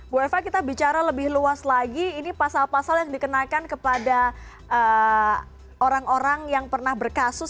bu eva kita bicara lebih luas lagi ini pasal pasal yang dikenakan kepada orang orang yang pernah berkasus